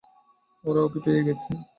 ওরা ওকে পেয়ে গেছে।